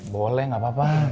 boleh gak apa apa